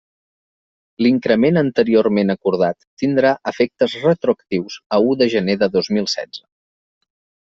L'increment anteriorment acordat tindrà efectes retroactius a u de gener de dos mil setze.